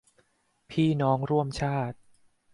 พี่น้องร่วมชาติ